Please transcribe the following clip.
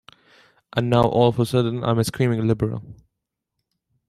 And now all of a sudden I'm a screaming liberal.